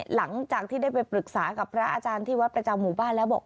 หลังจากที่ได้ไปปรึกษากับพระอาจารย์ที่วัดประจำหมู่บ้านแล้วบอก